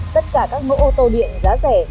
tất cả các mẫu ô tô điện giá rẻ